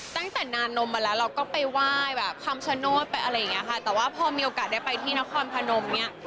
ตั้งแต่นานนมมาแล้วเราก็ไปไหว้แบบคำชโนธไปอะไรอย่างเงี้ยค่ะแต่ว่าพอมีโอกาสได้ไปที่นครพนมเนี่ย